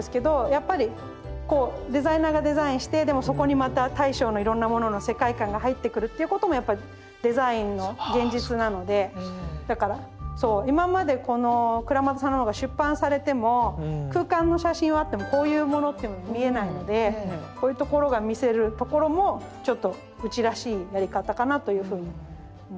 やっぱりこうデザイナーがデザインしてでもそこにまた大将のいろんなものの世界観が入ってくるっていうこともやっぱりデザインの現実なのでだからそう今までこの倉俣さんの本が出版されても空間の写真はあってもこういうものっていうのは見えないのでこういうところが見せるところもちょっとうちらしいやり方かなというふうに思ってます。